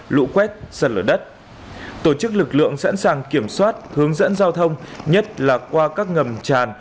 lũ quét sạt lở đất tổ chức lực lượng sẵn sàng kiểm soát hướng dẫn giao thông nhất là qua các ngầm tràn